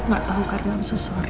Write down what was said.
gak tau karna i'm so sorry